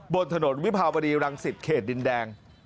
บนถนนวิภาวดีรังสิตเขตดินแดง